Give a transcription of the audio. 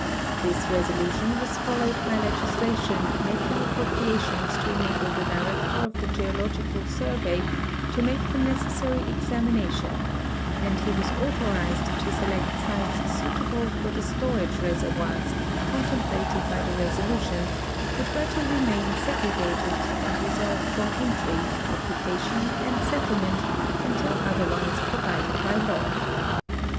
This resolution was followed by legislation making appropriations to enable the Director of the Geological Survey to make the necessary examination, and he was authorized to select sites suitable for the storage reservoirs contemplated by the resolution, which were to remain segregated and reserved from entry, occupation, and settlement until other wise provided by law.